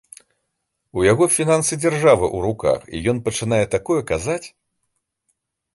У яго фінансы дзяржавы ў руках і ён пачынае такое казаць.